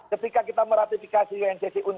ketika kita meratifikasi uncac